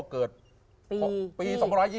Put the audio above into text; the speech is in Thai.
เกิดปี๒๒๐